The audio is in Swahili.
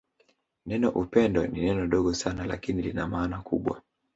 Neno upendo ni neno dogo sana lakini lina maana kubwa